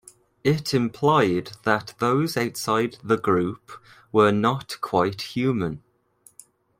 It implied that those outside the group were not quite human.